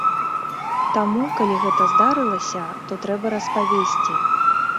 Таму, калі гэта здарылася, то трэба распавесці.